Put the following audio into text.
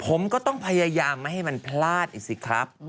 ผมก็ต้องพยายามไม่ให้มันพลาดอีกสิครับ